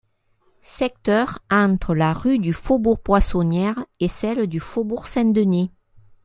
Secteur entre la rue du Faubourg-Poissonnière et celle du Faubourg Saint-Denis.